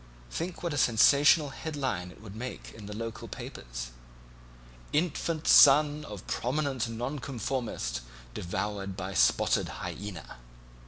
Think what a sensational headline it would make in the local papers: 'Infant son of prominent Nonconformist devoured by spotted hyaena.'